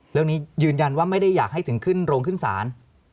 แล้วนี้ยืนยันว่าไม่ได้อยากให้ถึงขึ้นโรงขึ้นศาล